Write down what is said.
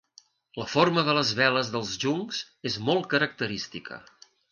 La forma de les veles dels juncs és molt característica.